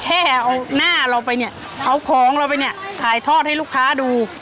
แค่เอาหน้าเราไปเนี่ยเอาของเราไปเนี่ยถ่ายทอดให้ลูกค้าดู